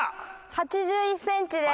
８１センチです。